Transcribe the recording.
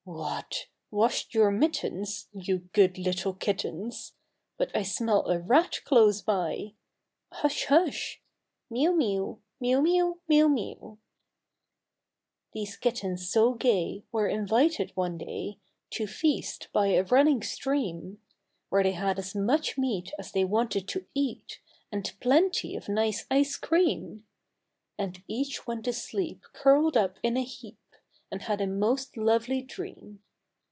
THE THREE LITTLE KITTENS . "What ! washed your mittens, You good little kittens! But I smell a rat close by ! Hush! hush!" Miew, miew, Miew, miew, miew, miew. These kittens so gay Were invited one day To feast by a running stream, Where they had as much meat As they wanted to eat, And plenty of nice ice cream, And each went to sleep Curled up in a heap, And had a most lovely dream.